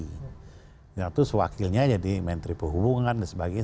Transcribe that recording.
di orde baru itu sewakilnya jadi menteri perhubungan dan sebagainya